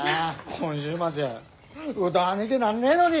今週末歌わねげなんねえのに！